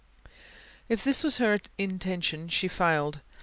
If this was her intention she failed.